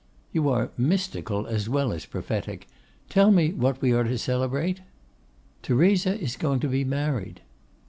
'You are mystical as well as prophetic. Tell me what we are to celebrate.' 'Theresa is going to be married.